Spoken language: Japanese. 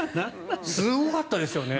すごかったですよね。